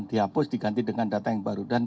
dihapus diganti dengan data yang baru dan